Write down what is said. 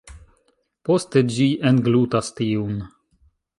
Poste ĝi englutas tiun.